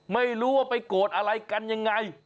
ไม่รู้ว่าไปโกรธอะไรกันยังไง